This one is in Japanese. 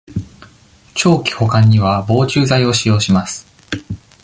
長期保管には、防虫剤を使用します。